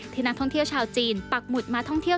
นักท่องเที่ยวชาวจีนปักหมุดมาท่องเที่ยว